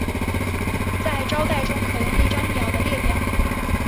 在招待中可用一张鸟的列表。